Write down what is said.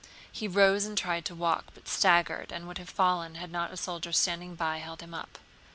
He rose and tried to walk, but staggered and would have fallen had not a soldier standing by held him up.